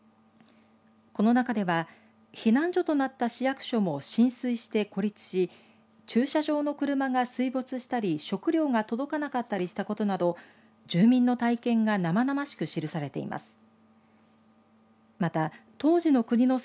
この中では避難所となった市役所も浸水して孤立し駐車場の車が水没したり食料が届かなかったりしたことなど住民の体験が生々しく記されています。